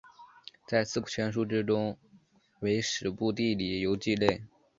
在四库全书之中为史部地理游记类。